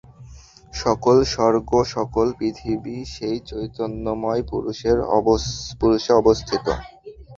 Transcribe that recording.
সকল স্বর্গ, সকল পৃথিবী সেই চৈতন্যময় পুরুষে অবস্থিত।